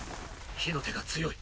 火の手が強い。